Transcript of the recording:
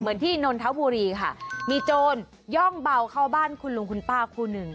ที่นนทบุรีค่ะมีโจรย่องเบาเข้าบ้านคุณลุงคุณป้าคู่หนึ่ง